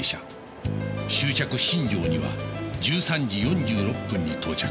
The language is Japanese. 終着新庄には１３時４６分に到着